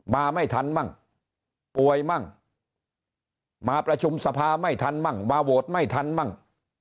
มาไม่ทันมั่งป่วยมั่งมาประชุมสภาไม่ทันมั่งมาโหวตไม่ทันมั่ง